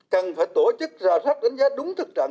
cần phải tổ chức ra sát đánh giá đúng thực trạng